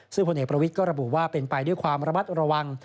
ซึ่งพลเอกประวิทย์ก็ระบุว่าเป็นไปด้วยความระมัดระวัง